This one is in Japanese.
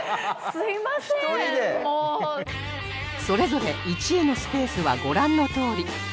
それぞれ１位のスペースはご覧のとおり